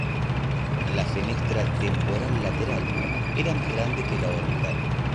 La fenestra temporal lateral era más grande que la orbital.